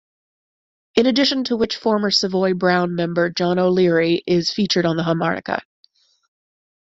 In addition to which former Savoy Brown member John O'Leary is featured on harmonica.